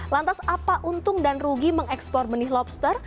lantas apa untung dan rugi mengekspor benih lobster